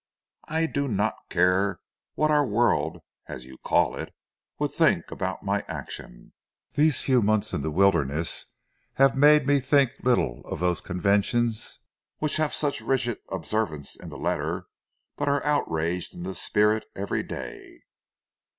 "I do not care what our world, as you call it, would think about my action. These few months in the wilderness have made me think little of those conventions which have such rigid observance in the letter but are outraged in the spirit every day."